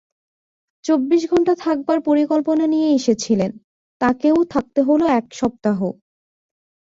চব্বিশ ঘণ্টা থাকবার পরিকল্পনা নিয়ে এসেছিলেন, তাকৈ থাকতে হলো এক সপ্তাহ।